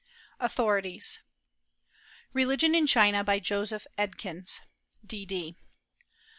AUTHORITIES. Religion in China, by Joseph Edkins, D.D.